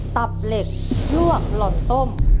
ตับเหล็กลวกหล่อนต้ม